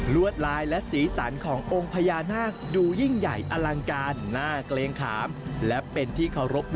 รวดลายและศรีสันขององค์พญานาค